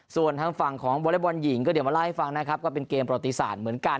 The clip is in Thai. ส่วนทางฝั่งของวอเล็กบอลหญิงก็เดี๋ยวมาเล่าให้ฟังนะครับก็เป็นเกมประติศาสตร์เหมือนกัน